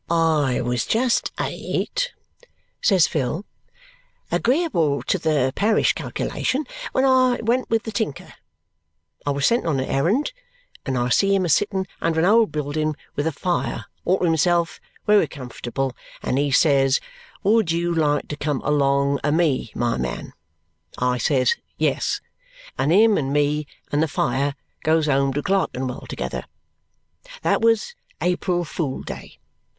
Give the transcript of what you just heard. "I was just eight," says Phil, "agreeable to the parish calculation, when I went with the tinker. I was sent on a errand, and I see him a sittin under a old buildin with a fire all to himself wery comfortable, and he says, 'Would you like to come along a me, my man?' I says 'Yes,' and him and me and the fire goes home to Clerkenwell together. That was April Fool Day.